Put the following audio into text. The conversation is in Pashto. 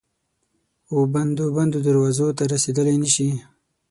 وبندو، بندو دروازو ته رسیدلای نه شي